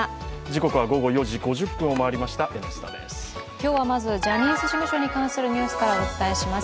今日はまず、ジャニーズ事務所に関するニュースからお伝えします。